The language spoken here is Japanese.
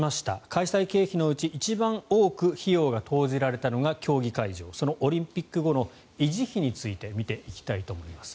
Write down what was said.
開催経費のうち一番多く費用が投じられたのが競技会場そのオリンピック後の維持費について見ていきたいと思います。